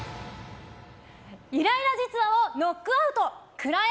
イライラ実話をノックアウトくらえ！